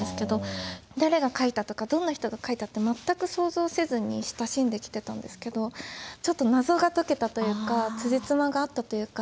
誰が描いたとかどんな人が描いたって全く想像せずに親しんできてたんですけどちょっと謎が解けたというかつじつまが合ったというか。